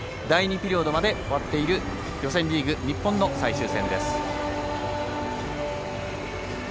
第２ピリオドまで終わっている予選リーグ日本の最終戦です。